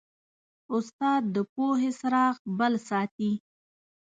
استاد د پوهې څراغ بل ساتي.